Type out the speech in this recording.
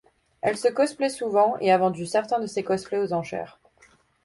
Elle se cosplay souvent et a vendu certains de ses cosplays aux enchères.